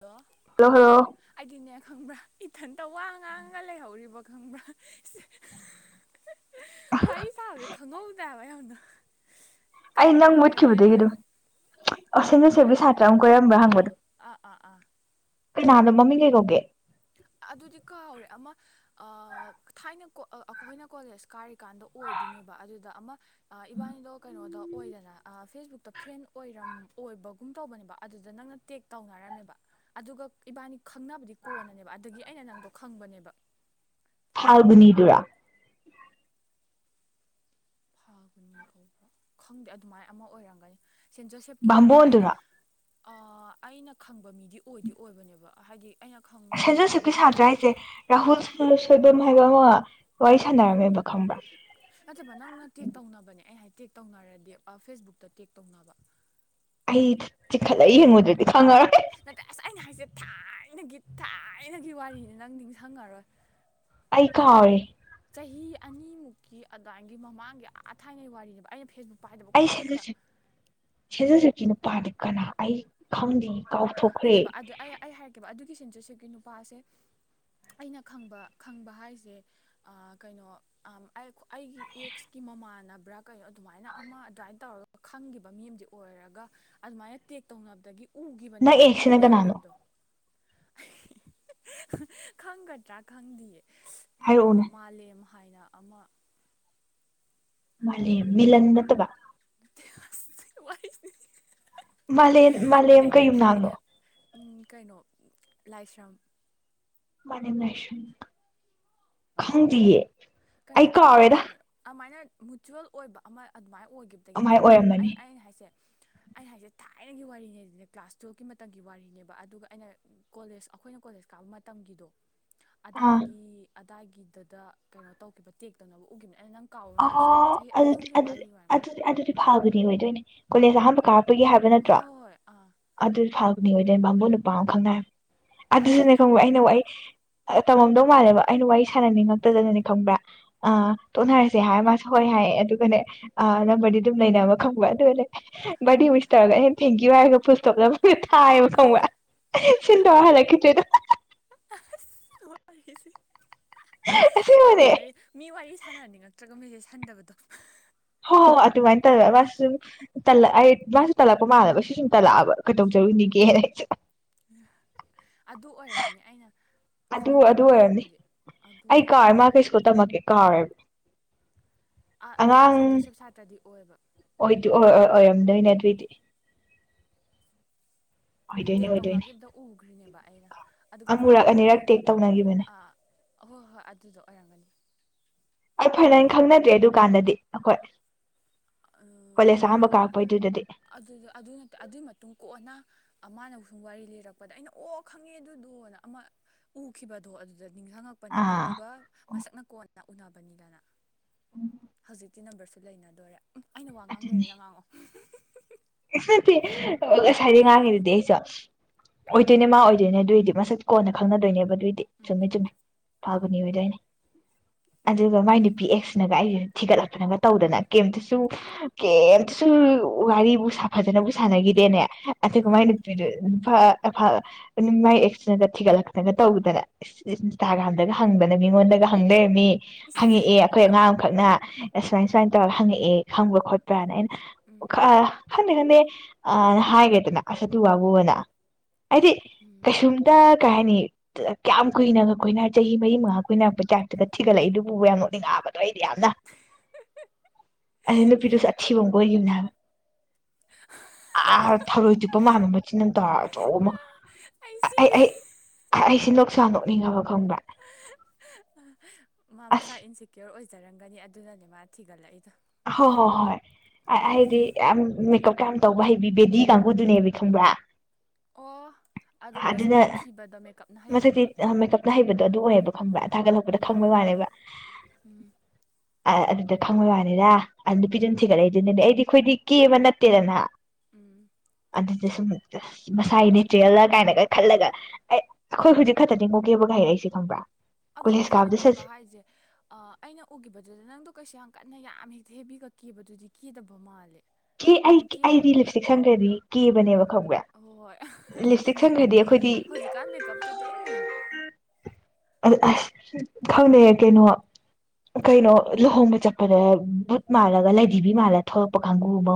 hello hello hello ꯑꯩꯗꯤꯅꯦ ꯈꯪꯕ꯭ꯔꯥ ꯏꯊꯟꯇ ꯋꯥ ꯉꯥꯡꯉ ꯂꯩꯍꯧꯔꯤꯕ ꯈꯪꯕ꯭ꯔꯥ ꯋꯥꯔꯤ ꯁꯥꯕꯁꯦ ꯈꯪꯍꯧꯗꯦꯕ ꯌꯥꯝꯅ ꯑꯩ ꯀꯩꯅꯣ ꯅꯪ ꯀꯩꯅꯣ ꯍꯧꯖꯤꯛ ꯃꯨꯠꯈꯤꯕꯗꯒꯤ ꯌꯥꯝꯅ ꯑꯗꯨꯝ ꯀꯩꯅꯣ ꯑꯣꯁꯤꯟꯁꯦ ꯀꯩꯅꯣ ꯁꯦꯕꯤ ꯑꯩꯅ ꯁꯥꯇ꯭ꯔ ꯑꯃ ꯀꯣꯏꯔꯝꯕ꯭ꯔꯥ ꯑꯣ ꯍꯪꯕꯗꯣ ꯑꯣ ꯑꯥ ꯑꯥ ꯑꯥ ꯀꯅꯥꯅꯣ ꯃꯃꯤꯡ ꯀꯩ ꯀꯧꯒꯦ ꯑꯗꯨꯗꯤ ꯀꯥꯎꯔꯦ ꯑꯃ ꯊꯥꯏꯅ ꯀꯣ ꯑꯩꯈꯣꯏꯅ ꯀꯣꯂꯦꯖ ꯀꯥꯔꯤ ꯀꯥꯟꯗ ꯑꯣꯏꯗꯣꯏꯅꯦꯕ ꯑꯗꯨꯗ ꯑꯃ ꯏꯕꯥꯅꯤꯗꯣ ꯀꯩꯅꯣꯗ ꯑꯣꯏꯗꯅ ꯐꯦꯁꯕꯨꯛꯇ ꯐ꯭ꯔꯦꯟ ꯑꯣꯏꯔꯝ ꯑꯣꯏꯕꯒꯨꯝ ꯇꯧꯕꯅꯦꯕ ꯑꯗꯨꯗ ꯅꯪꯅ ꯇꯦꯛ ꯇꯧꯅꯔꯝꯃꯦꯕ ꯑꯗꯨꯒ ꯏꯕꯥꯅꯤ ꯈꯪꯅꯕꯗꯤ ꯀꯣꯟꯅꯅꯦꯕ ꯑꯗꯨꯒꯤ ꯑꯩꯅ ꯅꯪꯗꯣ ꯈꯪꯕꯅꯦꯕ ꯐꯥꯜꯒꯨꯅꯤꯗꯨꯔꯥ ꯐꯥꯜꯒꯨꯅꯤ ꯀꯧꯕ꯭ꯔꯥ ꯈꯪꯗꯦ ꯑꯗꯨꯃꯥꯏꯅ ꯑꯃ ꯑꯣꯏꯔꯝꯒꯅꯤ ꯁꯦꯟ ꯖꯣꯁꯦꯞꯀꯤ ꯁꯥꯇ꯭ꯔ ꯑꯩꯅ ꯕꯥꯝꯕꯣꯟꯗꯨꯔꯥ ꯑꯩꯅ ꯈꯪꯕ ꯃꯤꯗꯤ ꯑꯣꯏꯗꯤ ꯑꯣꯏꯕꯅꯦꯕ ꯍꯥꯏꯗꯤ ꯑꯩꯅ ꯈꯪꯕ ꯃꯤ ꯁꯦꯟꯖꯣꯁꯦꯞꯀꯤ ꯁꯥꯇ꯭ꯔ ꯍꯥꯏꯁꯦ ꯔꯥꯍꯨꯜ ꯁꯣꯏꯕꯝ ꯍꯥꯏꯕ ꯑꯃ ꯋꯥꯔꯤ ꯁꯥꯟꯅꯔꯝꯃꯦꯕ ꯈꯪꯕ꯭ꯔꯥ ꯅꯠꯇꯕ ꯅꯪꯅ ꯇꯦꯛ ꯇꯧꯅꯕꯅꯦ ꯑꯩ ꯍꯥꯏ ꯇꯦꯛ ꯇꯧꯅꯔꯗꯤ ꯐꯦꯁꯕꯨꯛꯇ ꯇꯦꯛ ꯇꯧꯅꯕ ꯑꯩ ꯆꯤꯡꯈꯠꯂ ꯌꯦꯡꯉꯨꯗ꯭ꯔꯦ ꯅꯠꯇꯦ ꯑꯁ ꯑꯩꯅ ꯍꯥꯏꯁꯦ ꯊꯥꯏꯅ ꯑꯩꯅꯒꯤ ꯊꯥꯏꯅꯒꯤ ꯋꯥꯔꯤꯅꯤ ꯅꯪ ꯅꯤꯡꯁꯤꯡꯉꯔꯣꯏ ꯑꯩ ꯀꯥꯎꯔꯦ ꯆꯍꯤ ꯑꯅꯤꯃꯨꯛꯀꯤ ꯑꯗꯨꯋꯥꯏꯒꯤ ꯃꯃꯥꯡꯒꯤ ꯑꯥ ꯊꯥꯏꯅꯩ ꯋꯥꯔꯤꯅꯦꯕ ꯑꯩꯅ ꯐꯦꯁꯕꯨꯛ ꯄꯥꯏꯗꯕ ꯑꯩ ꯀꯨꯏꯔꯦꯕ ꯁꯦꯖꯁ ꯁꯦꯖꯔ ꯆꯀꯤꯅꯣ ꯅꯨꯄꯥꯗꯨ ꯀꯅ ꯑꯩ ꯈꯪꯗꯦ ꯀꯥꯎꯊꯣꯛꯈ꯭ꯔꯦ ꯅꯠꯇꯦꯕ ꯑꯗꯨ ꯑꯩ ꯑꯩ ꯍꯥꯏꯔꯛꯀꯦꯕ ꯑꯗꯨ ꯁꯤ ꯁꯦꯟꯖꯦꯞꯀꯤ ꯅꯨꯄꯥꯁꯦ ꯑꯩꯅ ꯈꯪꯕ ꯈꯪꯕ ꯍꯥꯏꯁꯦ ꯀꯩꯅꯣ ꯑꯩꯒꯤ ꯑꯦꯛꯁꯀꯤ ꯃꯃꯥꯟꯅꯕ꯭ꯔꯥ ꯀꯩꯅꯣ ꯑꯗꯨꯃꯥꯏꯅ ꯑꯃ ꯑꯗꯨꯃꯥꯏꯅ ꯇꯧꯔꯒ ꯈꯪꯈꯤꯕ ꯃꯤ ꯑꯃꯗꯤ ꯑꯣꯏꯔꯒ ꯑꯗꯨꯃꯥꯏꯅ ꯇꯦꯛ ꯇꯧꯅꯕꯗꯒꯤ ꯎ ꯅꯪ ꯑꯦꯛꯁꯁꯤꯅ ꯀꯅꯥꯅꯣ ꯈꯪꯒꯗ꯭ꯔꯥ ꯈꯪꯗꯤꯌꯦ ꯍꯥꯏꯔꯛꯎꯅꯦ ꯃꯥꯂꯦꯝ ꯍꯥꯏꯅ ꯑꯃ ꯃꯥꯂꯦꯝ ꯃꯤꯂꯟ ꯅꯠꯇꯕ ꯃꯥꯂꯦꯝ ꯃꯥꯂꯦꯝ ꯀꯩ ꯑꯩꯅꯁꯦ ꯊꯥꯏꯅ ꯌꯨꯝꯅꯥꯛꯅꯣ ꯀꯩꯅꯣ ꯂꯥꯏꯁ꯭ꯔꯝ ꯃꯥꯂꯦꯝ ꯂꯥꯏꯁ꯭ꯔꯝ ꯈꯪꯗꯤꯌꯦ ꯀꯩꯅꯣ ꯑꯩ ꯇꯧꯕ ꯀꯥꯎꯔꯦꯗ ꯑꯣꯏꯔꯕꯅꯦ ꯑꯗꯨꯃꯥꯏꯅ ꯃ꯭ꯌꯨꯆꯨꯌꯜ ꯑꯣꯏꯕ ꯑꯃ ꯑꯗꯨꯃꯥꯏꯅ ꯑꯣꯏꯒꯤꯕꯗ ꯑꯃꯥꯏ ꯈꯪꯕꯅꯦꯕ ꯑꯣꯏꯔꯝꯃꯅꯤ ꯑꯩꯅ ꯑꯩꯅ ꯍꯥꯏꯁꯦ ꯑꯩꯅ ꯍꯥꯏꯁꯦ ꯊꯥꯏꯅꯒꯤ ꯋꯥꯔꯤꯅꯦ ꯑꯗꯨꯅꯦ ꯀ꯭ꯂꯥꯁ ꯇꯨꯌꯦꯜꯞꯀꯤ ꯃꯇꯝꯒꯤ ꯋꯥꯔꯤꯅꯦꯕ ꯑꯗꯨꯒ ꯑꯩꯅ ꯀꯣꯂꯦꯖ ꯑꯩꯈꯣꯏꯅ ꯀꯣꯂꯦꯖ ꯀꯥꯕ ꯃꯇꯝꯒꯤꯗꯣ ꯑꯥ ꯑꯗꯥꯏꯒꯤ ꯇꯥꯒꯤꯗꯗ ꯀꯩꯅꯣ ꯇꯧꯈꯤꯕ ꯇꯦꯛꯇꯧꯅꯕ ꯎꯈꯤꯕꯅꯦ ꯑꯩꯅ ꯅꯪ ꯑꯣꯍꯣ ꯀꯥꯎꯔꯝꯕꯁꯨ ꯌꯥꯏꯕ ꯆꯍꯤ ꯑꯅꯤ ꯑꯗꯨꯗꯤ ꯑꯍꯨꯝꯒꯤ ꯑꯗꯨꯗꯤ ꯋꯥꯔꯤ ꯑꯣꯏꯔꯝꯅꯤ ꯑꯗꯨꯗꯤ ꯑꯗꯨꯗꯤ ꯐꯥꯜꯒꯨꯅꯤ ꯑꯣꯏꯗꯣꯏꯅꯦ ꯀꯣꯂꯦꯁ ꯑꯍꯥꯟꯕ ꯀꯔꯛꯄ ꯄꯒꯤ ꯍꯥꯏꯕ ꯅꯠꯇ꯭ꯔꯣ ꯍꯣꯏ ꯍꯣꯏ ꯍꯣꯏ ꯑꯥ ꯑꯗꯨꯗꯤ ꯐꯥꯜ ꯒꯨꯅꯤ ꯑꯣꯏꯗꯣꯏꯅꯦ ꯕꯥꯃꯣꯟ ꯅꯨꯄꯥ ꯑꯃ ꯈꯪꯅꯔꯝꯃꯤ ꯑꯗꯨ ꯑꯗꯨꯁꯨꯅꯦ ꯁꯦꯟꯖꯔꯁꯤꯞ ꯈꯪꯕ ꯑꯩꯅ ꯇꯝꯕ꯭ꯔꯕ ꯋꯥꯏ ꯇꯝꯃꯝꯗꯧ ꯃꯥꯜꯂꯦꯕ ꯑꯩꯅ ꯋꯥꯔꯤ ꯎꯝ ꯁꯥꯟꯅꯅꯤꯡꯉꯛꯇꯗꯗꯅꯦ ꯈꯪꯕ꯭ꯔꯥ ꯑ ꯇꯣꯛꯅꯔꯁꯦ ꯁꯦ ꯍꯥꯏ ꯃꯥꯁꯦ ꯍꯣꯏ ꯍꯥꯏ ꯑꯗꯨꯒꯅꯦ ꯑ ꯅꯝꯕꯔꯗꯤ ꯑꯗꯨꯝ ꯂꯩꯅꯕ ꯈꯪꯕ ꯑꯗꯨꯒꯅꯦ ꯑꯥ ꯕꯥꯔꯗꯦ ꯋꯤꯁ ꯇꯧꯔꯒ ꯊꯦꯡꯀ꯭ꯌꯨ ꯍꯥꯏꯔꯒ ꯐꯨꯜꯁ꯭ꯇꯣꯞ ꯅꯝꯃꯝ ꯊꯥꯌ‌ꯦꯕ ꯈꯪꯕ꯭ꯔꯥ ꯁꯤꯟ ꯇꯧꯔꯥ ꯍꯜꯂꯛꯈꯤꯗ꯭ꯔ‌ꯦ ꯑꯗꯨꯝ ꯑꯁ ꯌꯥꯝ ꯑꯁꯦꯡꯕꯅꯦ ꯃꯥꯟꯅꯩ ꯃꯤ ꯋꯥꯔꯤ ꯁꯥꯟꯅꯔꯅꯤꯉꯛꯇ꯭ꯔꯒ ꯃꯤꯁꯦ ꯍꯟꯊꯕꯗꯣ ꯍꯣꯏ ꯍꯣꯏ ꯑꯗꯨꯃꯥꯏꯅ ꯇꯧꯔ ꯃꯥꯁꯁꯨ ꯁꯨꯝꯂ ꯑꯩ ꯃꯥꯁꯨ ꯇꯜꯂꯛꯄ ꯃꯥꯜꯂꯕ ꯁꯤ ꯁꯨꯝ ꯇꯜꯂꯛꯑꯕ ꯀ ꯎꯝ ꯇꯧꯖꯔꯨꯅꯤꯒꯦꯅ ꯑꯩꯁꯦ ꯑꯗꯨ ꯑꯣꯏꯔꯝꯅꯤ ꯑꯩꯅ ꯑꯗꯨ ꯈꯪꯗꯦ ꯑꯗꯨ ꯑꯣꯏꯔꯝꯅꯤ ꯃꯃꯤꯡꯗꯤ ꯑꯗꯨ ꯑꯩ ꯀꯥꯔ ꯃꯥꯜꯂꯦ ꯃꯥ ꯀꯩꯁꯨ ꯇꯝꯃꯛ ꯀꯥꯔꯦꯕ ꯑ ꯑꯩ ꯍꯥꯏꯁꯟꯖꯣꯁꯦꯞ ꯁꯥꯇꯗꯤ ꯑꯣꯏꯕ ꯑꯣꯏꯗꯤ ꯑꯣꯏ ꯍꯣꯏ ꯑꯣꯏꯔꯝꯗꯣꯏꯅꯦ ꯑꯗꯨꯏꯗꯤ ꯑꯣꯏꯗꯣꯏꯅꯦ ꯇꯦꯛ ꯑꯣꯏꯗꯣꯏꯅꯦ ꯇꯧꯅꯈꯤꯕꯗ ꯎꯈ꯭ꯔꯤꯅꯦꯕ ꯑꯩꯅ ꯑꯗꯨꯒ ꯑꯃꯨꯔꯛ ꯐ꯭ꯔꯦꯟꯅ ꯑꯅꯤꯔꯛ ꯀꯣꯟꯅ ꯇꯦꯛ ꯇꯧꯅꯈꯤꯕꯅꯦ ꯑꯍꯣꯏ ꯍꯣꯏ ꯑꯗꯨꯗꯣ ꯑꯣꯏꯔꯝꯒꯅꯤ ꯑ ꯐꯔꯅ ꯑ ꯈꯪꯅꯗ꯭ꯔꯦ ꯑꯗꯨꯀꯥꯟꯗꯗꯤ ꯑꯩꯈꯣꯏ ꯀꯂꯦꯁꯝꯕ ꯀꯥꯛꯄ ꯏ ꯑꯗꯨꯏꯗꯗꯤ ꯑꯗꯨꯒꯤ ꯃꯇꯨꯡ ꯀꯣꯟꯅ ꯑꯃꯅꯕꯨ ꯁꯨꯝ ꯋꯥꯔꯤ ꯂꯤꯔꯛꯄꯗ ꯑꯩꯅ ꯑꯣ ꯈꯪꯉꯦ ꯑꯗꯨꯗꯣꯅ ꯑꯃ ꯎꯈꯤꯕꯗꯣ ꯑꯗꯨ ꯗ ꯅꯤꯡꯁꯤꯡꯉꯛꯄꯅꯦꯕ ꯑꯥ ꯑꯗꯨꯒ ꯃꯁꯛꯅ ꯀꯣꯟ ꯅ ꯎꯅꯕꯅꯤꯗꯅ ꯍꯧꯖꯤꯛ ꯀ ꯅꯝꯕꯔꯁꯨ ꯂꯩꯅꯗꯣꯔꯦ ꯑꯩꯅ ꯋꯥ ꯉꯥꯡ ꯑꯗꯨꯅꯤ ꯂꯩꯔꯦꯅ ꯉꯥꯡꯉꯣ [inaudible] ꯉꯁꯥꯏꯗꯩ ꯉꯥꯡꯉꯤꯗꯨꯗꯤ ꯑꯩꯁꯨ ꯑꯣꯏꯗꯣꯏꯅꯦ ꯃꯥ ꯑꯣꯏꯗꯣꯏꯅꯦ ꯑꯗꯨꯏꯗꯤ ꯃꯁꯛ ꯀꯣꯟꯅ ꯈꯪꯅꯗꯣꯏꯅꯦꯕ ꯀꯇꯦ ꯆꯃꯤ ꯆꯨꯝ ꯐꯕꯅꯤ ꯑꯣꯏꯗꯣꯏꯅꯦ ꯑꯗꯨꯒ ꯃꯥꯏ ꯅꯨꯄꯤ ꯑꯦꯛꯁꯅꯒ ꯑꯩꯁꯦ ꯊꯤꯒꯠꯂꯛꯇꯅꯒ ꯇꯧꯗꯅ ꯀꯩꯝꯇꯁꯨ ꯀꯩꯇꯁꯨ ꯋꯥꯔꯤꯕꯨ ꯁ ꯐꯖꯅꯕꯨ ꯁꯥꯟꯅꯈꯤꯗꯦꯅꯦ ꯑꯗꯨ ꯑꯥ ꯀꯃꯥꯏꯅ ꯄꯤꯔ ꯐ ꯑꯗꯨꯝ ꯃꯥꯏꯛꯁꯤꯟꯅꯒ ꯊꯤꯒꯠꯂꯛꯇꯒ ꯇꯧꯗꯅ ꯏꯟꯁꯇꯥꯒ꯭ꯔꯥꯝꯗꯒ ꯍꯪꯗꯅ ꯃꯤꯉꯣꯟꯗꯒ ꯍꯪꯗꯔꯝꯃꯤ ꯏꯁ ꯍꯪꯉꯛꯑꯦ ꯑꯩꯈꯣꯏ ꯑꯉꯥꯡ ꯑꯃꯈꯛꯅ ꯁꯨꯃꯥꯏ ꯎꯝ ꯁꯨꯃꯥꯏꯅ ꯇꯧꯔꯒ ꯍꯪꯉꯛꯑꯦ ꯈꯪꯕꯥ ꯎꯝ ꯈꯣꯠꯄ꯭ꯔꯅ ꯑꯩꯅ ꯎꯝ ꯈ ꯍꯦ ꯍꯦ ꯑ ꯍꯥꯏꯦꯗꯅ ꯑꯁ ꯑꯗꯨ ꯎꯝ ꯋꯥꯕꯣꯅ ꯍꯥꯏꯗꯤ ꯎꯝ ꯀꯩꯁꯨꯝꯇ ꯀꯩ ꯍꯥꯏꯅꯤ ꯀꯌꯥꯝ ꯀꯨꯏꯅꯒ ꯀ‌ꯣꯏꯅ ꯆꯍꯤ ꯃꯔꯤ ꯃꯉꯥ ꯀ‌ꯣꯏꯅꯔꯛꯄꯩ ꯇꯥꯏꯄꯇꯥꯒ ꯊꯤꯒꯠꯂꯛꯏ ꯑꯗꯨꯕꯨꯕ ꯌꯥꯝ ꯅ‌ꯣꯛꯅꯤꯡꯉꯥꯕ ꯑꯗꯣ ꯑꯩꯗꯤ ꯌꯥꯝꯅ ꯑꯗꯨꯗ ꯅꯨꯄꯤꯗꯨꯁꯨ ꯑꯊꯤꯕ ꯑꯃ ꯀ‌ꯣꯏꯒꯤꯕꯅꯤ ꯍꯥꯏꯕ ꯑꯥ ꯊꯧꯔꯣꯏ ꯆꯨꯞꯄ ꯃꯥꯟꯕ ꯃꯆꯤꯟ ꯅ ꯇꯧꯔꯆꯧ ꯑꯃ ꯑꯩ ꯑꯩ ꯑꯩꯁꯤ ꯅꯣꯛꯁꯥ ꯅꯣꯛꯅꯤꯡꯉꯕ ꯈꯪꯕ꯭ꯔ ꯃꯥ ꯃꯁꯥ ꯏꯟꯁꯤꯦꯀ꯭ꯌꯣꯔ ꯑꯣꯏꯖ ꯆꯔꯝꯒꯅꯤ ꯑꯗꯨꯅꯅꯦ ꯃꯥ ꯊꯤꯒꯠꯂꯛꯏꯗꯣ ꯍꯣꯏ ꯍꯣꯏ ꯍꯥꯏꯗꯤ ꯌꯥꯝ ꯃꯦꯀꯞ ꯀꯌꯥꯝ ꯇꯧꯕ ꯍꯩꯕꯤ ꯕꯦꯗꯤ ꯀꯥꯡꯕꯨꯗꯨꯅꯦꯕ ꯈꯪꯕ꯭ꯔꯥ ꯑꯣ ꯑꯗꯨꯒ ꯃꯁꯛ ꯊꯤꯕꯗ ꯃꯊꯛꯇꯤ ꯃꯦꯀꯞꯅ ꯍꯩꯕꯗꯣ ꯑꯗꯨ ꯑꯣꯏꯌꯦꯕ ꯈꯪꯕ꯭ꯔꯥ ꯑꯣ ꯊꯥꯒꯠꯍꯧꯕꯗ ꯈꯪꯕꯩ ꯎꯝ ꯋꯥꯅꯦꯕ ꯎꯝ ꯑ ꯑꯗꯨꯗ ꯈꯪꯕꯩ ꯋꯥꯅꯤ ꯗ ꯑꯗꯨꯅꯨ ꯎꯝ ꯊꯤꯒꯠꯂꯛꯏ ꯑꯗꯨꯅꯦꯗꯤ ꯑꯩꯗꯤ ꯑꯩꯈꯣꯏꯗꯤ ꯀꯦꯕ ꯅꯠꯇꯦꯗꯅ ꯎꯝ ꯁꯨꯝ ꯃꯁꯥꯏꯒꯤꯅꯦ ꯆꯦꯜꯂ ꯀꯥꯏꯅꯒ ꯈꯜꯂꯒ ꯑꯩ ꯑꯈꯣꯏ ꯍꯨꯖꯤꯛ ꯈꯛꯇꯗꯤ ꯀꯦꯕꯒ ꯍꯩꯔꯛꯏꯖꯦ ꯈꯪꯕ꯭ꯔꯥ ꯑꯗꯣ ꯀꯣꯂꯦꯖ ꯑꯩꯈꯣꯏꯅ ꯀꯥꯕꯗ ꯁꯠ ꯀꯦꯕ ꯍꯥꯏꯁꯦ ꯑꯩꯅ ꯎꯒꯤꯈꯤꯕꯗꯨꯗ ꯅꯪꯗꯣ ꯀꯩꯁꯨ ꯌꯥꯝ ꯅꯪ ꯌꯥꯝ ꯍꯦꯛꯇ ꯍꯦꯕꯤꯒ ꯀꯤꯕꯗꯨꯗꯤ ꯀꯤꯗꯕ ꯃꯥꯜꯂꯦ ꯁꯤ ꯑꯩ ꯑꯗꯨꯝ ꯀꯦ ꯑꯩꯗꯤ ꯂꯤꯞꯁꯇꯤꯛ ꯁꯪꯈ꯭ꯔꯗꯤ ꯀꯦꯕꯅꯦꯕ ꯈꯪꯕ꯭ꯔꯦ ꯍꯣꯏ ꯂꯤꯞꯁꯇꯤꯛ ꯑꯗꯨꯅꯤ ꯁꯪꯈ꯭ꯔꯗꯤ ꯑꯈꯣꯏꯗꯤ ꯍꯧꯖꯤꯛꯀꯥꯟ ꯃꯦꯀꯞꯇꯨꯗꯤ ꯑ ꯑꯁ ꯈꯪꯗꯦ ꯀꯩꯅꯣ ꯀꯩꯅꯣ ꯂꯨꯍꯣꯡꯕ ꯆꯠꯄꯗ ꯕꯨꯠ ꯃꯥꯜꯂꯒ ꯂꯥꯏꯙꯤꯕꯤ ꯃꯥꯜꯂ ꯊꯣꯛꯂꯛꯄ ꯀꯥꯡꯕꯨ ꯑꯃ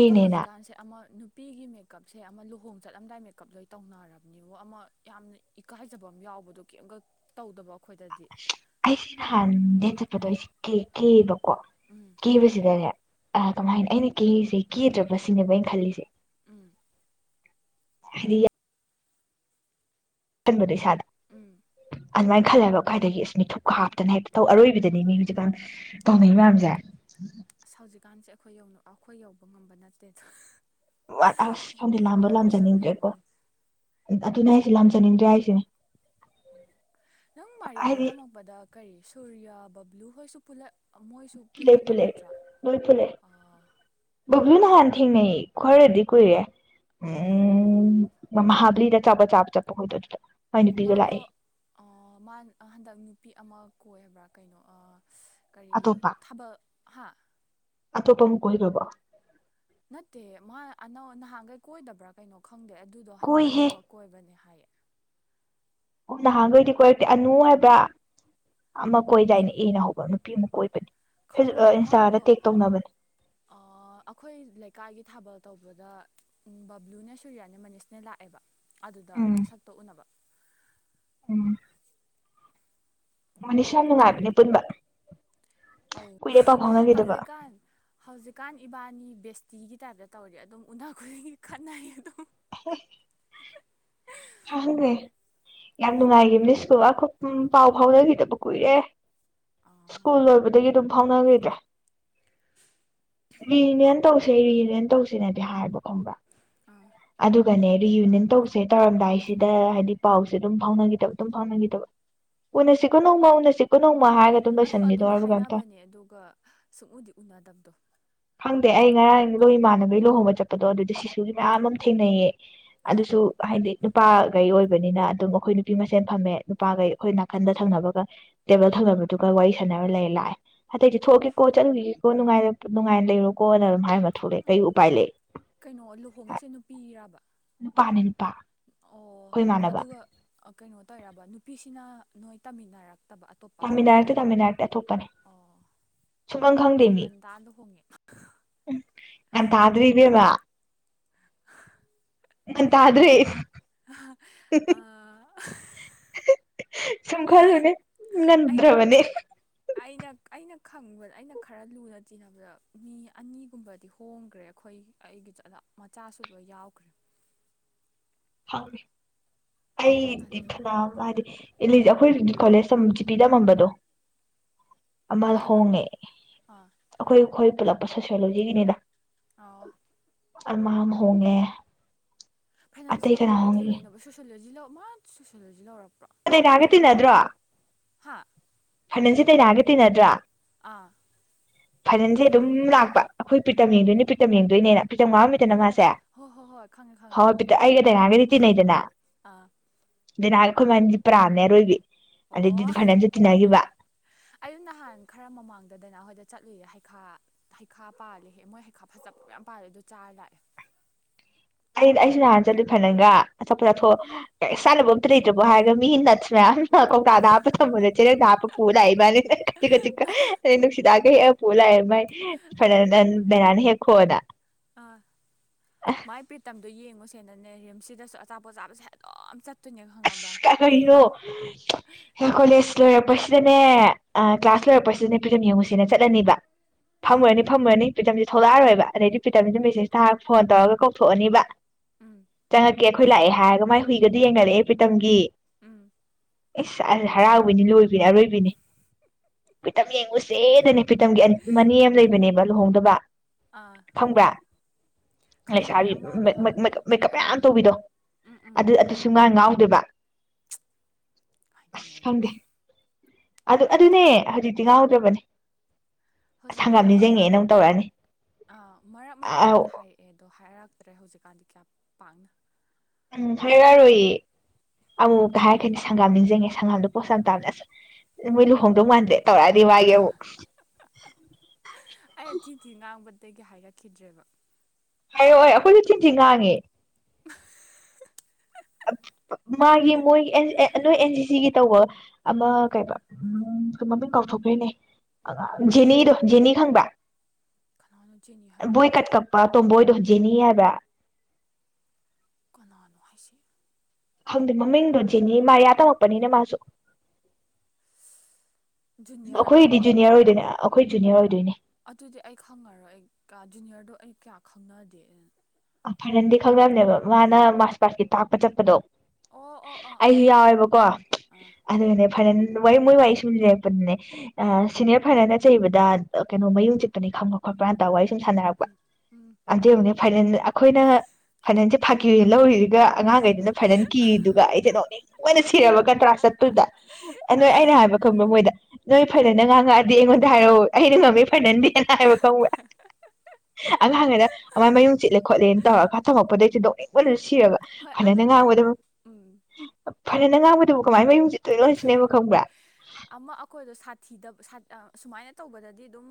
ꯑꯗꯣ ꯍꯧꯖꯤꯛꯀꯥꯟꯁꯦ ꯑꯃ ꯄꯤꯒꯤ ꯃꯦꯀꯞꯁꯦ ꯑꯃ ꯂꯨꯍꯣꯡ ꯆꯠꯂꯝꯗꯥꯏ ꯃꯦꯀꯞ ꯂꯣꯏ ꯇꯧꯅꯔꯕꯅꯤꯕ ꯑꯃ ꯌꯥꯝꯅ ꯏꯀꯥꯏꯖꯕ ꯑꯃ ꯌꯥꯎꯕꯗꯣ ꯀꯩꯝꯒ ꯇꯧꯗꯕ ꯑꯩꯈꯣꯏꯗꯗꯤ ꯑꯩꯁꯤ ꯍꯟ ꯗꯦꯠ ꯆꯠꯄꯗꯣ ꯑꯩꯁꯦ ꯀꯦ ꯀꯦꯕ ꯀꯣ ꯎꯝ ꯀꯦꯕꯁꯤꯗꯅꯦ ꯑ ꯀꯃꯥꯏꯅ ꯑꯩꯅ ꯀꯦꯔꯤꯁꯦ ꯀꯦꯗ꯭ꯔꯕ ꯁꯤꯅꯦꯕ ꯑꯩꯅ ꯈꯜꯂꯤꯁꯦ ꯎꯝ ꯍꯥꯏꯔꯤ ꯈꯟꯕꯗꯣ ꯏꯁꯥꯗ ꯎꯝ ꯑꯗꯨꯃꯥꯏ ꯈꯜꯂꯦꯕ ꯀꯥꯏꯗꯒꯤ ꯑꯁ ꯃꯤꯊꯨꯞꯀ ꯍꯥꯞꯇꯅ ꯍꯦꯛꯇ ꯑꯔꯣꯏꯕꯤꯗꯅꯤ ꯃꯤ ꯍꯧꯖꯤꯛꯀꯥꯟ ꯇꯧꯅꯩ ꯃꯌꯥꯝꯖꯦ ꯑꯁ ꯍꯧꯖꯤꯛꯀꯥꯟꯁꯦ ꯑꯩꯈꯣꯏ ꯑꯩꯈꯣꯏ ꯌꯧꯕ ꯉꯝꯕ ꯅꯠꯇꯦꯗ ꯋꯥꯠ ꯑꯁ ꯈꯪꯗꯦ ꯂꯥꯝꯕ ꯌꯥꯕ ꯂꯥꯝꯖꯅꯤꯡꯗꯦꯀꯣ ꯅꯠꯇꯦ ꯑꯗꯨꯅꯦ ꯑꯩꯁꯦ ꯂꯝꯖꯅꯤꯡꯗ꯭ꯔꯦ ꯍꯥꯏꯁꯤꯅꯦ ꯅꯪ ꯃꯥꯔꯤꯌꯥꯗ ꯍꯥꯏꯗꯤ ꯇꯝꯃꯛꯄꯗ ꯀꯔꯤ ꯁꯨꯔꯌꯥ ꯕꯕ꯭ꯂꯨ ꯍꯣꯏꯁꯨ ꯄꯨꯂꯞ ꯃꯣꯏꯁꯨ ꯂꯩ ꯄꯨꯜꯂꯛꯏ ꯅꯠꯇ꯭ꯔꯥ ꯄꯨꯜꯂꯛꯑꯦ ꯂꯣꯏ ꯄꯨꯜꯂꯛꯑꯦ ꯑꯥ ꯕꯕ꯭ꯂꯨ ꯅꯍꯥꯟ ꯊꯦꯡꯅꯩ ꯈꯔꯗꯤ ꯀꯨꯏꯔꯦ ꯑꯥ ꯎꯝ ꯃꯍ ꯍꯥꯥꯕꯂꯤ ꯆꯄ ꯆꯥꯕ ꯆꯠꯄ ꯑꯈꯣꯢꯗꯣ ꯑꯗꯨꯗ ꯃꯥꯏ ꯅꯨꯄꯤꯒ ꯃꯥꯗꯣ ꯂꯥꯛꯑꯦ ꯑꯥ ꯃꯥ ꯍꯟꯗꯛ ꯅꯨꯄꯤ ꯑꯃ ꯀꯣꯏꯕ꯭ꯔꯥ ꯀꯩꯅꯣ ꯀꯔꯤ ꯑꯇꯣꯞꯄ ꯊꯕꯛ ꯍꯥ ꯑꯇꯣꯞꯄ ꯑꯃ ꯀꯣꯏꯔꯣꯏꯕ ꯅꯠꯇꯦ ꯃꯥ ꯑꯅ ꯅꯍꯥꯟꯈꯩ ꯀꯣꯏꯗꯕ꯭ꯔꯥ ꯀꯩꯅꯣ ꯈ ꯈꯪꯗꯦ ꯑꯗꯨꯗꯣ ꯍꯟꯗꯛ ꯀꯣꯏꯍꯦ ꯑꯅꯧꯕ ꯀꯣꯏꯕꯅꯦ ꯍꯥꯏꯌꯦ ꯑꯣ ꯅꯍꯥꯟꯈꯩꯗꯤ ꯀꯣꯏꯔꯛꯇꯦ ꯑꯅꯨ ꯍꯥꯏꯕ꯭ꯔꯥ ꯑꯃ ꯀꯣꯏꯗꯥꯏꯅ ꯏꯅ ꯍꯧꯕ ꯅꯨ ꯑꯃꯨ ꯀꯣꯏꯕꯅꯤ ꯐꯦꯁ ꯈꯪꯗꯦ ꯑ ꯑꯗꯨꯗꯤ ꯏꯟꯁꯇꯥꯗ ꯃꯥꯗꯣ ꯇꯦꯛ ꯇꯧꯅꯕꯅꯦ ꯑꯩꯈꯣꯏ ꯂꯩꯀꯥꯏꯒꯤ ꯊꯥꯕꯛ ꯇꯧꯕꯗ ꯕꯕ꯭ꯂꯨꯅ ꯁꯨꯔꯤꯌꯥꯅ ꯃꯅꯤꯁꯅ ꯂꯥꯛꯑꯦꯕ ꯑꯗꯨꯗ ꯎꯝ ꯃꯁꯛꯇ ꯎꯅꯕ ꯎꯝ ꯅꯤꯁ ꯌꯥꯝ ꯅꯨꯡꯉꯥꯏꯕꯅꯦ ꯄꯨꯟꯕ ꯑ ꯀꯨꯏꯔꯦ ꯄꯥꯎ ꯐꯥꯎꯅꯈꯤꯗꯕ ꯍꯧꯖꯤꯛꯀꯥꯟ ꯍꯧꯖꯤꯛꯀꯥꯟ ꯏꯕꯥꯅꯤ ꯕꯦꯁꯇꯤꯒꯤ ꯇꯥꯏꯞꯇ ꯇꯧꯔꯤ ꯑꯗꯨꯝ ꯎꯅꯥ ꯈꯨꯗꯤꯡꯒꯤ ꯈꯠꯅꯩ ꯑꯗꯨꯝ [unintelligible] ꯈꯪꯗꯦ ꯌꯥꯝ ꯅꯨꯡꯉꯥꯏꯈꯤ ꯃꯤꯁꯀꯕꯥ ꯄꯥꯎ ꯐꯥꯎꯅꯈꯤꯗꯕ ꯀꯨꯏꯔꯦ ꯑꯥ ꯁꯀꯨꯜꯗꯕ ꯑꯗꯨꯝ ꯐꯥꯎꯅꯈꯤꯗ꯭ꯔꯦ ꯔꯤꯌꯨꯅꯤꯌꯟ ꯇꯧꯁꯦ ꯔꯤꯌꯨꯅꯤꯌꯟ ꯇꯧꯁꯤꯅꯗꯤ ꯍꯥꯏꯕ ꯈꯪꯕ꯭ꯔꯥ ꯑꯥ ꯑꯗꯨꯒꯅꯦ ꯔꯤꯌꯨꯅꯤꯌꯟ ꯇꯧꯁꯦ ꯇꯧꯔꯝꯗꯥꯏ ꯁꯤꯗ ꯍꯥꯏꯗꯤ ꯄꯥꯎꯁ ꯑꯗꯨꯝ ꯐꯥꯎꯅꯗꯕ ꯑꯗꯨꯝ ꯐꯥꯎꯅꯈꯤꯗꯕ ꯎꯅꯁꯤꯀ ꯅꯃ ꯎꯁꯤꯀ ꯅ ꯑ ꯑꯗꯨꯝꯗꯤ ꯍꯥꯏꯅꯕꯅꯦ ꯑꯗꯨꯒ ꯁꯨꯡꯛꯎꯗꯤ ꯎꯅꯗꯕꯗꯣ ꯈꯪꯗꯦ ꯑꯩ ꯉꯔꯥꯡ ꯂꯣꯏ ꯏꯃꯥꯟꯅꯕꯩ ꯂꯨꯍꯣꯡꯕ ꯆꯠꯄꯗꯣ ꯑꯗꯨꯗꯤ ꯁꯤꯁꯨ ꯃꯌꯥꯝ ꯎꯝ ꯑꯃ ꯊꯦꯡꯅꯩꯌꯦ ꯑꯥ ꯑꯗꯨꯁꯨ ꯍꯥꯏꯗꯤ ꯅꯨꯄꯥꯈꯩ ꯑꯣꯏꯕꯅꯤꯅ ꯑꯗꯨꯝ ꯑꯩꯈꯣꯏ ꯅꯨꯄꯤ ꯃꯁꯦꯟ ꯐꯝꯃꯦ ꯅꯨꯄꯥꯈꯩ ꯑꯩꯈꯣꯏ ꯅꯥꯀꯟꯗ ꯊꯪꯅꯕꯒ ꯇꯦꯕꯜ ꯊꯪꯅꯕꯗꯨꯒ ꯋꯥꯔꯤ ꯁꯥꯟꯅꯔ ꯂꯩꯔ ꯂꯥꯛꯑꯦ ꯑꯗꯇꯩꯗꯤ ꯊꯣꯛꯑꯒꯦꯀꯣ ꯆꯠꯂꯨꯈꯤꯒꯦꯀꯣꯉ ꯅꯨꯡꯉꯥꯏꯅ ꯂꯩꯔꯣꯀꯣꯅ ꯑꯗꯨꯝ ꯍꯥꯏꯔꯃ ꯊꯣꯛꯂꯛꯑꯦ ꯀꯩ ꯎꯄꯥꯏ ꯂꯩꯦ ꯀꯩꯅꯣ ꯂꯨꯍꯣꯡꯉꯤꯁꯦ ꯅꯨꯄꯤꯔꯔꯕ ꯅꯨꯄꯥꯅꯤ ꯅꯨꯄꯥ ꯑꯣ ꯑꯩꯈꯣꯏ ꯏꯃꯥꯟꯅꯕ ꯑꯗꯨꯒ ꯀꯩꯅꯣ ꯇꯧꯔꯕ ꯅꯨꯄꯤꯁꯤꯅ ꯅꯣꯏꯇꯥ ꯃꯤꯅꯔꯛ ꯇꯥꯃꯤꯜ ꯔꯛꯇꯤ ꯇꯥꯃꯤꯜ ꯅꯥꯔꯛꯇꯤ ꯑꯇꯣꯞꯄꯅꯦ ꯑꯣ ꯁꯨꯝꯃꯪ ꯈꯪꯗꯦ ꯌꯥꯝ ꯃꯤ ꯉꯟꯇꯥ ꯂꯨꯍꯣꯡꯉꯦ ꯎꯝ ꯉꯒꯟ ꯇꯥꯗ꯭ꯔꯤ ꯏꯕꯦꯝꯃ ꯑ ꯇꯗ꯭ꯔꯦ ꯑꯩ ꯑ ꯁꯨꯝ ꯈꯜꯂꯅꯦ ꯑꯩꯅ ꯅꯟꯗ꯭ꯔꯕꯅꯦ ꯑꯩꯅ ꯑꯩꯅ ꯈꯪꯕꯗ ꯑꯩꯅ ꯈꯔ ꯂꯨꯅ ꯆꯤꯟꯅꯕꯗ ꯃꯤ ꯑꯅꯤꯒꯨꯝꯕꯗꯤ ꯍꯣꯡꯈ꯭ꯔꯦ ꯑꯩꯈꯣꯏ ꯑꯩꯒꯤꯂ ꯃꯆꯥꯁꯨ ꯂꯣꯏ ꯌꯥꯎꯈ꯭ꯔꯦ ꯍꯥꯏ ꯑꯩ ꯇꯜꯂꯦꯅ ꯅꯤꯡꯅ ꯃꯥꯗꯤ ꯏ ꯑꯩꯈꯣꯏ ꯀꯣꯂꯦꯖ ꯖꯤꯄꯤ ꯇꯝꯃꯝꯕꯗꯣ ꯑꯃ ꯀꯅꯥ ꯍꯣꯡꯉꯦ ꯑꯥ ꯑꯩꯈꯣꯏ ꯑꯩꯈꯣꯏ ꯄꯨꯜꯂꯛꯄ ꯁꯣꯁꯤꯌꯣꯂꯣꯖꯤꯒꯤꯅꯤꯅ ꯑꯣ ꯑꯃꯝ ꯍꯣꯡꯒꯦ ꯐꯥꯏꯅꯥꯟꯁꯤꯅ ꯀꯃꯥꯏꯅ ꯊꯦꯡꯅꯩꯅꯕ ꯁꯣꯁꯤꯣꯂꯣꯖꯤ ꯂ ꯃꯥꯅ ꯁꯣꯁꯤꯣꯂꯣꯖꯤ ꯂꯧꯔꯛꯄ ꯃꯦꯙꯥꯒ ꯇꯤꯅꯗꯔꯣ ꯍꯥ ꯐꯅꯟꯁꯦ ꯇꯤꯅꯥꯒ ꯇꯤꯟꯅꯗ꯭ꯔꯥ ꯑꯥ ꯐꯅꯟꯁꯦ ꯑꯗꯨꯝ ꯂꯥꯛꯄ ꯑꯩꯈꯣꯏ ꯄꯔꯤꯇꯝ ꯌꯦꯡꯗꯣꯏꯅꯦ ꯄꯔꯤꯇꯝ ꯌꯦꯡꯗꯣꯏꯅꯦꯅ ꯄꯔ꯭ꯤꯇꯝ ꯉꯥꯎꯔꯝꯃꯤꯗꯅ ꯑꯣ ꯃꯥꯁꯦ ꯍꯣ ꯍꯣ ꯍꯣꯏ ꯈꯪꯉꯦ ꯍꯣꯏ ꯈꯪꯉꯦ ꯍꯣꯏ ꯄꯔ꯭ꯤꯇꯥꯝ ꯑꯩꯒ ꯗꯥꯏꯅꯥꯒꯗꯤ ꯇꯤꯟꯅꯩꯗꯅ ꯑꯥ ꯗꯥꯏꯅꯥꯒ ꯑꯩꯈꯣꯏ ꯏꯕꯅꯤꯗꯤ ꯄꯔꯥꯟꯅꯦ ꯑꯥꯔꯣꯏꯕꯤ ꯑꯗꯗꯤ ꯐ ꯑꯩ ꯅꯍꯥꯟ ꯈꯔ ꯃꯃꯥꯡꯗ ꯗꯥꯏꯅ ꯍꯣꯏꯗ ꯆꯠꯂꯨꯔꯦ ꯍꯩꯈꯥ ꯍꯩꯈꯥ ꯄꯥꯜꯂꯦꯍꯦ ꯃꯣꯏ ꯍꯩꯈꯥ ꯐꯖꯕ ꯃꯌꯥꯝ ꯄꯥꯜꯂꯦ ꯑꯗꯨ ꯆꯥꯔ ꯂꯥꯛꯑꯦ ꯑꯩ ꯑꯩꯁꯨ ꯅꯍꯥꯟ ꯆꯠꯂꯨꯏ ꯐꯅꯥꯟꯒ ꯑꯄꯊꯣ ꯎꯝ [unintelligible] ꯆꯥꯅꯕꯥ ꯑꯃꯇ ꯂꯩꯇꯔꯥꯕꯣ ꯍꯥꯏꯒ ꯃꯤ [unintelligible] ꯑ ꯀꯧ ꯇꯥꯗ ꯍꯥꯞꯄ ꯊꯝꯕꯅꯦ ꯆꯦꯔꯪꯗ ꯍꯥꯞꯄ ꯄꯨꯔꯒ ꯂꯛꯏ ꯃꯥꯅꯤ ꯆꯤꯛ ꯆꯤꯛꯅꯨꯡꯁꯤꯗ ꯍꯦꯛꯑꯒ ꯄꯨꯔꯥ ꯂꯥꯛꯏ ꯃꯥꯏ ꯐꯅꯥꯟ ꯗꯥꯏꯅꯥꯅ ꯍꯦꯛꯈꯣꯅꯥ ꯑꯥ ꯃꯥꯏ ꯄꯔꯤꯇꯝ ꯌꯦꯡꯉꯨꯁꯦꯅꯅꯦ ꯔꯤꯝꯁꯁꯤꯗꯁꯨ ꯑꯆꯥꯄꯣꯠ ꯆꯥꯕꯁꯦ ꯑꯗꯨꯝ ꯆꯠ [unintelligible] ꯂꯣꯏꯔꯛꯄꯁꯤꯗꯅꯦ ꯀ꯭ꯂꯥꯁ ꯂꯣꯏꯔꯛꯄꯁꯤꯗꯅꯦ ꯄꯔꯤꯇꯝ ꯌꯦꯡꯉꯨꯁꯤꯅ ꯆꯠꯂꯅꯤꯕ ꯑꯥ ꯐꯝꯃꯥꯅꯤ ꯐꯝꯃꯥꯅꯤ [unintelligible] ꯊꯣꯛꯂꯛ ꯑꯔꯣꯏꯕ ꯑꯗꯩꯩꯗꯤ ꯄꯔꯤꯇꯝꯁꯦ ꯃꯦꯁꯦꯁ ꯊꯔꯒ ꯐꯣꯟ ꯇꯧꯔꯒ [unintelligible] ꯊꯣꯛꯑꯅꯤꯕ ꯎꯝ ꯆꯪꯉꯛꯀꯦ ꯑꯩꯈꯣꯏ ꯂꯥꯛꯑꯦ ꯍꯥꯏꯔꯒ ꯃꯥꯏ ꯍꯨꯏꯒꯗꯨ ꯌꯦꯡꯅꯔꯛꯑꯦ ꯄꯔꯤꯇꯝꯒꯤ ꯎꯝ ꯑꯤꯁ ꯑꯜ ꯍꯔꯥꯎꯕꯤꯅꯤ ꯂꯣꯏꯕꯤꯅꯤ ꯑꯔꯣꯏꯕꯤꯅꯤ ꯄꯔꯤꯇꯝ ꯌꯦꯡꯉꯨꯁꯦꯗꯅꯦ ꯄꯔꯤꯇꯝꯒꯤ ꯃꯅꯤ ꯑꯃ ꯂꯩꯕꯅꯦꯕ ꯂꯨꯍꯣꯡꯗꯕ ꯑꯥ ꯈꯪꯕ꯭ꯔꯥ ꯈꯪꯉꯦ ꯈꯪꯉꯦ ꯂꯩꯁꯥꯕꯤ ꯑꯃ ꯃꯦꯀ ꯃꯦꯀ ꯅꯍꯥꯟꯃꯨꯛ ꯎꯝ ꯃꯦꯀꯞ ꯃꯦꯀꯞ ꯎꯈ꯭ꯔꯦ ꯃꯌꯥꯝ ꯎꯝ ꯇꯧꯕꯤꯗꯣ ꯎꯝ ꯎꯝ ꯑꯗꯨ ꯑꯗꯨꯁꯨ ꯃꯅꯥ ꯉꯥꯎ ꯑꯗꯨꯕ [unintelligible] ꯑꯗꯨ ꯑꯗꯨꯅꯦ ꯍꯧꯖꯤꯛꯇꯤ ꯉꯥꯎꯗ꯭ꯔꯕꯅꯦ ꯑꯁ ꯍꯪꯒꯥꯝ ꯍꯧꯖꯤꯛꯄꯨꯗꯤ ꯍꯣꯏ ꯃꯔꯛ ꯅꯤꯡꯁꯤꯡꯉꯦꯅ ꯑꯃꯨꯛ ꯃꯔꯛꯇ ꯇꯧꯔꯛꯑꯅꯤ ꯑꯥ ꯃꯔꯛ ꯃꯔꯛꯇꯕꯨꯗꯤ ꯎꯝ ꯍꯥꯏꯔꯛꯑꯦ ꯑꯗꯣ ꯍꯥꯏꯔꯛ ꯇ꯭ꯔꯦ ꯍꯧꯖꯤꯛꯀꯥꯟꯗꯤ ꯀꯌꯥꯝ ꯄꯥꯡꯅ ꯎꯝ ꯍꯥꯏꯔꯛꯔꯣꯏꯏ ꯑꯃꯨꯛ ꯀꯩ ꯍꯥꯏꯔꯈꯅꯤ ꯁꯪꯒꯥꯝ ꯅꯤꯡꯁꯤꯡꯉꯦ ꯁꯪꯒꯥꯝꯗꯣ ꯄꯣꯁ ꯌꯥꯝ ꯇꯥꯕꯅꯦ ꯑ ꯃꯣꯏ ꯂꯨꯍꯣꯡꯗꯧ ꯃꯥꯟꯗ꯭ꯔꯦ ꯇꯧꯔꯛꯑꯅꯤ ꯃꯥꯒꯤ ꯑꯃꯨꯛ ꯑꯩꯅ ꯊꯤ ꯊꯤ ꯉꯥꯡꯕ [unintelligible] ꯇꯒꯤ ꯍꯥꯏꯔꯛꯈꯤꯗ꯭ꯔꯦꯕ ꯍꯥꯏꯔꯛꯑꯣꯏ ꯑꯩꯈꯣꯏꯁꯨ ꯊꯤꯟ ꯊꯤ ꯉꯥꯡꯉꯦ [unintelligible] ꯃꯥꯒꯤ ꯃꯣꯏ ꯅꯣꯏ ꯑꯦꯟ ꯖꯤ ꯁꯤꯒꯤ ꯇꯧꯕ ꯑꯃ ꯀꯩ ꯃꯃꯤꯡ ꯀꯥꯎꯊꯣꯛꯈ꯭ꯔꯦꯅꯦ ꯖꯦꯅꯤꯗꯣ ꯖꯦꯅꯤ ꯈꯪꯕ꯭ꯔ ꯀꯅꯥꯅꯣ ꯆꯦꯅꯤ ꯍꯥꯏꯕꯣ ꯕꯣꯣꯏ ꯀꯠ ꯀꯄ ꯇꯝꯕꯣꯏꯗꯣꯖꯤꯅꯤ ꯍꯥꯏꯕ ꯀꯅꯥꯅꯣ ꯍꯥꯏꯁꯦ ꯈꯪꯗꯦ ꯃꯃꯤꯡꯗꯣ ꯖꯤꯅꯤ ꯃꯥꯌꯥ ꯇꯝꯃꯛꯄꯅꯤꯅ ꯃꯥꯁꯨ ꯖꯨꯅꯤꯌꯔ ꯑꯩꯈꯣꯏꯗꯤ ꯖꯨꯅꯤꯌꯔ ꯑꯣꯏꯗꯣꯏꯅꯦ ꯑꯩꯈꯣꯏꯁꯨꯨꯅꯦ ꯑꯣꯏꯗꯣꯏꯅꯤ ꯑꯗꯨꯗꯤ ꯑꯩ ꯈꯪꯉꯔꯣꯏ ꯑꯩ ꯀꯥ ꯖꯨꯅꯤꯌꯔꯗꯣ ꯑꯩ ꯀꯌꯥ ꯈꯪꯅꯗꯦ ꯑ ꯐꯔꯦꯟꯗꯤ ꯈꯪꯗꯕꯅꯦꯕ ꯃꯥꯅ ꯃꯥꯔꯁ ꯄꯔꯁꯀꯤ ꯇꯥꯛꯄ ꯆꯠꯄꯗꯣ ꯑꯣ ꯑꯣ ꯑꯥ ꯑꯩꯁꯨ ꯑꯥ ꯌꯥꯎꯋꯦꯕꯀꯣ ꯑꯥ ꯑꯗꯨꯒꯅꯦ ꯐꯔꯦꯟ ꯋꯥꯔꯤ ꯃꯣꯏ ꯋꯥꯔꯤ ꯁꯨꯝꯁꯔꯛꯄꯗꯨꯅꯦ ꯑ ꯑꯥ ꯁꯤꯅꯤꯌꯔ ꯐꯥꯏꯅꯦꯜ ꯑ ꯆꯩꯕꯗ ꯀꯩꯅꯣ ꯃꯌꯨꯡ ꯆꯤꯛꯄꯅꯤ ꯈꯪꯕ ꯈꯣꯠꯄ꯭ꯔꯅ ꯇꯥꯋꯥꯏ ꯁꯨꯝ ꯁꯥꯟꯅꯔꯛꯄ ꯎꯝ ꯑꯗꯨ ꯑꯃꯨ ꯐꯥꯏꯜ ꯑꯩꯈꯣꯏꯅ ꯐꯅꯜꯁꯦ ꯐꯥꯀꯤꯅ ꯂꯧꯔꯤꯗꯨꯒ ꯑꯉꯥꯡꯈꯩꯗꯨꯅ ꯐꯅꯜ ꯀꯤꯔꯤꯗꯨꯒ ꯑꯩꯁꯦ ꯅꯣꯡꯅꯤꯡ ꯑꯣꯏꯅ ꯁꯤꯔꯕꯒ ꯇ꯭ꯔꯥ ꯆꯠ ꯑꯗꯨꯗ ꯅꯣꯏ ꯑꯩꯅ ꯍꯥꯏꯕ ꯈꯪꯕ ꯃꯣꯏꯗ ꯅꯣꯏ ꯐꯖꯅ ꯉꯥꯡꯉꯛꯑꯗꯤ ꯑꯩꯉꯣꯟꯗ ꯍꯥꯏꯔꯛꯑꯣ ꯑꯩꯅ ꯉꯝꯃꯦ ꯐꯅꯟꯗꯦꯅ ꯍꯥꯏꯕ ꯈꯪꯋ ꯑꯉꯥꯡꯉꯗ ꯑꯥꯏ ꯃꯌꯨꯝ ꯆꯠꯂꯦ ꯈꯣꯠꯂꯦꯅ ꯇꯧꯒꯥꯊꯃꯛꯄꯗꯁꯤꯗꯣꯛ ꯁꯤꯔꯕ ꯍꯣꯏ ꯐꯖꯅ ꯑꯗꯨꯗꯣ ꯉꯥꯡꯒꯗꯕ ꯎꯝ ꯐꯅꯅ ꯉꯥꯡꯕꯗꯨꯕꯨ ꯀꯃꯥꯏ ꯃꯌꯨꯝꯁꯦ ꯇꯣꯏꯅ ꯂꯣꯏꯁꯤꯦꯕ ꯈꯪꯕ꯭ꯔꯥ ꯑꯃ ꯑꯩꯈꯣꯏꯗꯣ ꯁꯥ ꯊꯤꯗꯕ ꯁꯨꯃꯥꯏꯅ ꯇꯧꯕꯗꯗꯤ ꯑꯗꯨꯝ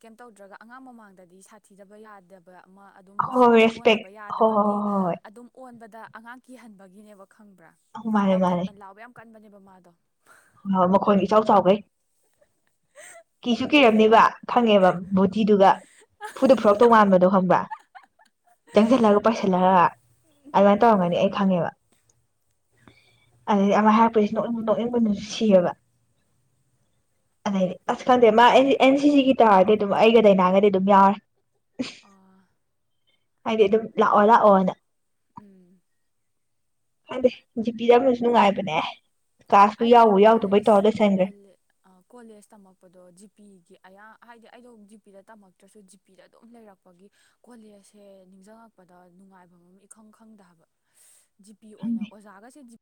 ꯀꯩꯝ ꯇꯧꯗ꯭ꯔꯒ ꯑꯉꯥꯡ ꯃꯃꯥꯡꯗꯗꯤ ꯁꯥꯊꯤꯗꯕ ꯌꯥꯗꯕ ꯑꯃ ꯑꯗꯨꯝ ꯍꯣꯏ ꯃꯁꯛ ꯍꯣꯏ ꯑꯃ ꯔꯦꯁꯄꯦꯛ ꯑꯣꯟꯗꯕ ꯍꯣꯏ ꯍꯣꯏ ꯌꯥꯗꯕꯒꯤ ꯍꯣꯏ ꯍꯣꯏ ꯑꯗꯨꯝ ꯑꯣꯟꯕꯗ ꯗ ꯑꯉꯥꯡ ꯀꯤꯍꯟꯕꯒꯤꯅꯦꯕ ꯈꯪꯕ꯭ꯔꯥ ꯍꯣꯏ ꯃꯥꯅꯦ ꯃꯥꯅꯦ ꯂꯥꯎꯊꯠꯄꯅ ꯂꯕ ꯌꯥꯝ ꯀꯟꯕꯅꯤ ꯃꯥꯗꯣ ꯃꯈꯣꯟ ꯏꯆꯥꯎ ꯆꯥꯎꯕꯩ ꯀꯤꯁꯨ ꯅꯣꯛꯅꯤꯡꯉꯤ ꯀꯤꯔꯝꯅꯤꯕ ꯈꯪꯉꯦꯕ ꯕꯣꯇꯤꯗꯨꯒ ꯐꯨꯗ ꯐꯨꯔꯛ ꯇꯣꯉꯥꯟꯕꯗꯣ ꯍꯪꯕ꯭ꯔ ꯆꯪꯁꯤꯜꯂꯒ ꯄꯩꯁꯤꯜꯂꯒ ꯑꯗꯨꯃꯥꯏꯅ ꯇꯧꯔꯝꯒꯅꯤ ꯑꯩ ꯈꯪꯉꯦꯕ ꯑꯗꯩ ꯑꯃ ꯍꯥꯏꯔꯛꯄꯩꯁꯤ ꯅꯣꯛꯕ ꯅꯣꯛꯑꯡꯕ ꯁꯤꯌꯦꯕ ꯑꯗꯩꯗꯤ ꯑꯁ ꯈꯪꯗꯦ ꯃꯥ ꯑꯦꯟ ꯁꯤꯖꯤꯒꯤ ꯇꯥꯔꯗꯤ ꯑꯗꯨꯝ ꯑꯩꯒ ꯗꯥꯏꯅꯥꯒꯗꯤ ꯑꯗꯨꯝ ꯌꯥꯎꯔꯦ [unintelligible] ꯑꯥ ꯍꯥꯏꯗꯤ ꯑꯗꯨꯝ ꯂꯥꯛꯑꯣ ꯂꯥꯛꯑꯣꯅ ꯎꯝ ꯍꯥꯏꯗꯤ ꯖꯤꯄꯤꯖꯥꯕꯁꯨ ꯅꯨꯡꯉꯥꯏꯕꯅꯦ ꯀ꯭ꯂꯥꯁꯄꯨ ꯑꯩꯗꯤ ꯌꯥꯎꯕ ꯀꯣꯂꯦꯖ ꯌꯥꯎꯗꯕꯩ ꯇꯧꯔ ꯂꯣꯏꯁꯟꯈ꯭ꯔꯦ ꯀꯣꯂꯦꯖ ꯇꯝꯃꯛꯄꯗꯣ ꯖꯤꯄꯤꯤꯒꯤ ꯑꯌꯥ ꯍꯥꯏꯗꯤ ꯑꯩꯗꯣ ꯖꯤꯄꯤꯗ ꯇꯝꯃꯛꯇ꯭ꯔꯁꯨ ꯖꯤꯄꯤꯗ ꯑꯗꯨꯝ ꯂꯩꯔꯛꯄꯒꯤ ꯀꯣꯂꯦꯁꯦ ꯅꯤꯡꯁꯤꯡꯉꯛꯄꯗ ꯅꯨꯡꯉꯥꯏꯐꯝ ꯑꯃ ꯏꯈꯪ ꯈꯪꯗꯕ ꯖꯤꯄꯤꯤ ꯑꯣꯏꯅ ꯈꯪꯗꯦ ꯑꯣꯖꯥꯒꯁꯦ ꯖꯤ